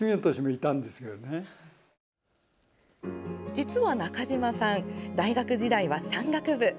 実は中島さん大学時代は山岳部。